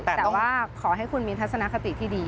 แต่ว่าขอให้คุณมีทัศนคติที่ดี